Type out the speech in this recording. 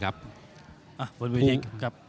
อ่ะบนเวทีครับ